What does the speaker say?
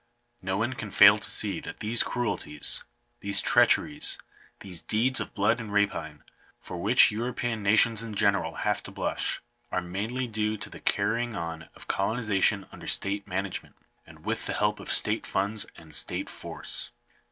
No one can fail to see that these cruelties, these treacheries, these deeds of blood and rapine, for which European nations in general have to blush, are mainly due to the carrying on of colonization under state management, and with the help of state funds and state force.